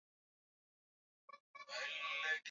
wanaona tu niupuzi lakini kwa uhakika u